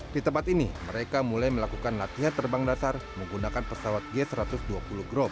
di tempat ini mereka mulai melakukan latihan terbang dasar menggunakan pesawat g satu ratus dua puluh group